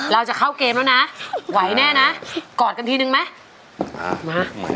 เราจะเข้าเกมแล้วนะไหวแน่นะกอดกันทีนึงไหม